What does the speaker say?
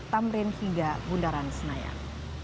tamrin hingga bundaran senayan